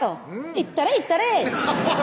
「いったれいったれ！」